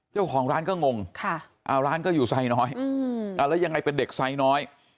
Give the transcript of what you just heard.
เจ้าของร้านก็งงร้านก็อยู่ไซน้อยแล้วยังไงเป็นเด็กไซน้อย